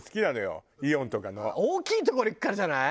大きい所行くからじゃない？